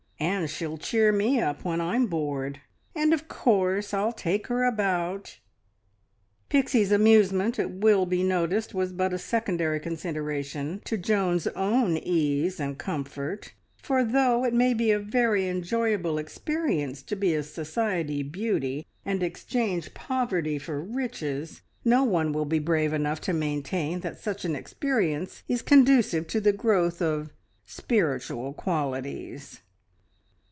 And she'll cheer me up when I'm bored. And, of course, I'll take her about " Pixie's amusement, it will be noticed, was but a secondary consideration to Joan's own ease and comfort; for though it may be a very enjoyable experience to be a society beauty and exchange poverty for riches, no one will be brave enough to maintain that such an experience is conducive to the growth of spiritual qualities.